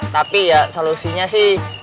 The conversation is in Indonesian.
tapi ya solusinya sih